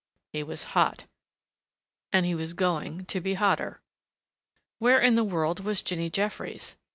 He was hot and he was going to be hotter. Where in the world was Jinny Jeffries?